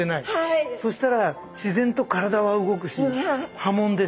そしたら自然と体は動くし波紋です。